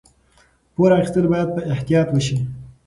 پور اخیستل باید په احتیاط وشي.